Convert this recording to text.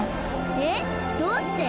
えっどうして？